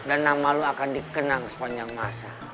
dan nama lo akan dikenang sepanjang masa